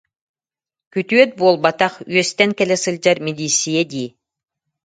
Күтүөт буолбатах, үөстэн кэлэ сылдьар милииссийэ дии